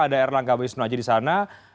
ada erlang gaboistno aja di sana